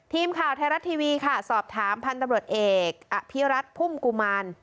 ทีมข่าวไทยรัฐทีวีค่ะสอบถามพันธุ์ตำรวจเอกอภิรัติพุ่มกุมาร